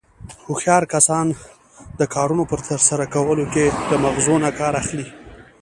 هوښیار کسان د کارنو په ترسره کولو کې له مغزو نه کار اخلي.